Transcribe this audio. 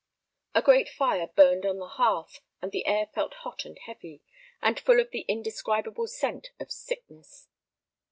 A great fire burned on the hearth, and the air felt hot and heavy, and full of the indescribable scent of sickness.